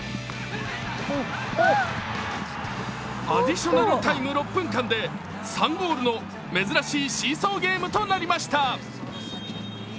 アディショナルタイム６分間で３ゴールの珍しいシーソーゲームとなりました。